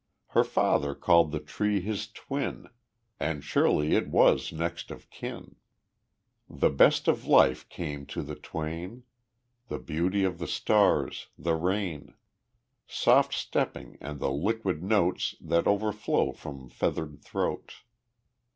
Her father called the tree his twin, And surely it was next of kin. III The best of life came to the twain, The beauty of the stars, the rain, Soft stepping, and the liquid notes That overflow from feathered throats.